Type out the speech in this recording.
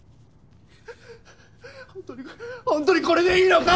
本当に本当にこれでいいのか！